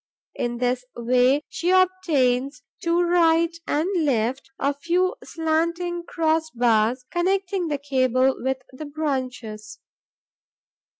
In this way, she obtains, to right and left, a few slanting cross bars, connecting the cable with the branches.